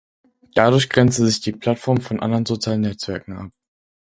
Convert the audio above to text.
Dadurch grenzte sich die Plattform von anderen sozialen Netzwerken ab.